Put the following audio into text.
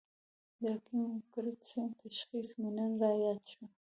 د حکیم کرت سېنګ تشخیص مې نن را ياد شو.